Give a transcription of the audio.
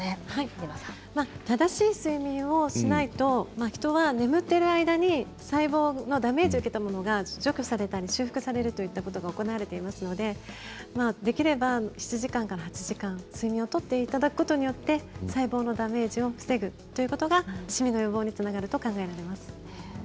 正しい睡眠をしないとヒトは眠っている間に細胞のダメージを受けたものが除去されたり修復されるということが行われますのでできれば７時間から８時間睡眠をとっていただくことによって細胞のダメージを防ぐということがシミの予防につながると考えられています。